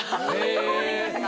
そこまでいきましたか。